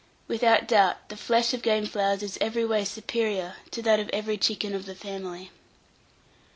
Without doubt, the flesh of game fowls is every way superior to that of every chicken of the family.